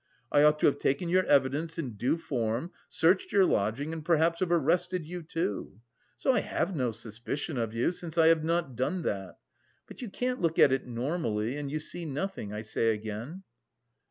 I ought to have taken your evidence in due form, searched your lodging and perhaps have arrested you, too... so I have no suspicion of you, since I have not done that! But you can't look at it normally and you see nothing, I say again."